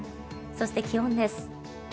そして、気温です。